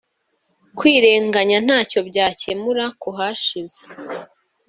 kwirenganya ntacyo byakemura ku hashize